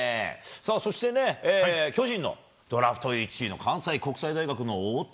そして巨人のドラフト１位の関西国際大学の翁田